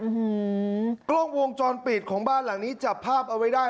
กล้องวงจรปิดของบ้านหลังนี้จับภาพเอาไว้ได้